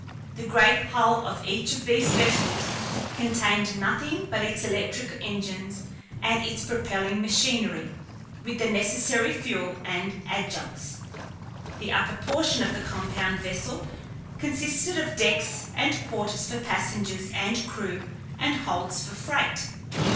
The great hull of each of these vessels contained nothing but its electric engines and its propelling machinery, with the necessary fuel and adjuncts. The upper portion of the compound vessel consisted of decks and quarters for passengers and crew and holds for freight.